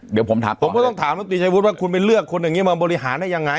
เดี๋ยวผมถามผมก็ต้องถามน้ำตรีชัยวุฒิว่าคุณไปเลือกคนอย่างนี้มาบริหารได้ยังไง